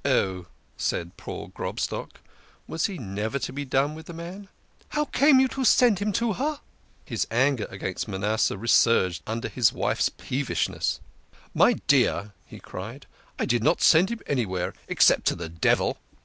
" Oh !" said poor Grobstock. Was he never to be done with the man? " How came you to send him to her?" His anger against Manasseh resurged under his wife's peevishness. "My dear," he cried, "I did not send him anywhere except to the devil."